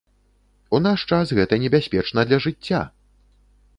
У наш час гэта небяспечна для жыцця!